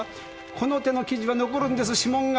この手の生地は残るんです指紋が。